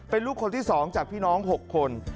เป็นลูกคนที่๒จากพี่น้อง๖คน